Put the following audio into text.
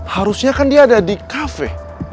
harusnya kan dia ada di kafe